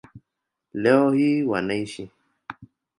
Leo hii wanaishi